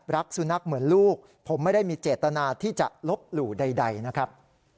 รักสุนัขเหมือนลูกผมไม่ได้มีเจตนาที่จะลบหลู่ใดนะครับ